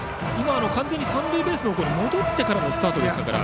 完全に三塁ベースに戻ってからのスタートでしたから。